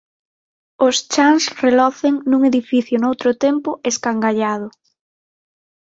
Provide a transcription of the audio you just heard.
Os chans relocen nun edificio noutro tempo escangallado.